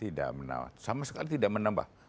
tidak menawat sama sekali tidak menambah